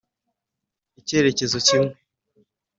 icyerekezo kimwe